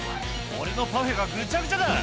俺のパフェがぐちゃぐちゃだ」